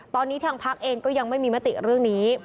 ตอนนี้ทางพักเองก็ยังไม่มีมติเรื่องนี้